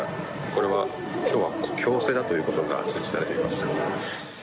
これは今日は強制だということが通知されています。